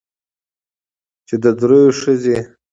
چې د درېو ښځې